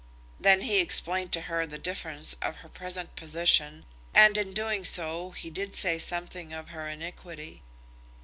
Then he explained to her the difference of her present position, and in doing so he did say something of her iniquity.